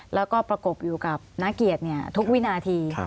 แล้วก็ประกบอยู่กับนักเกียรติทุกวินาที